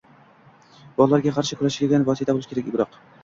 va ularga qarshi kurashadigan vosita bo‘lishi kerak. Biroq...